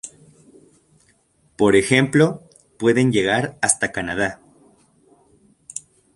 Por ejemplo pueden llegar hasta Canadá.